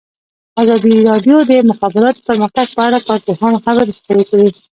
ازادي راډیو د د مخابراتو پرمختګ په اړه د کارپوهانو خبرې خپرې کړي.